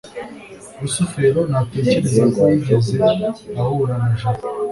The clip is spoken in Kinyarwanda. rusufero ntatekereza ko yigeze ahura na jabo